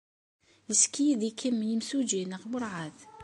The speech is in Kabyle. Yessekyed-ikem yimsujji neɣ werɛad?